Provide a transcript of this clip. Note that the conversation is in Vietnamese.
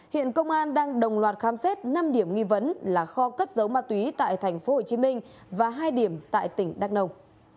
hiện công an đang đồng loạt khám xét năm điểm nghi vấn là kho cất dấu ma túy tại thành phố hồ chí minh và hai điểm tại tỉnh đắk nông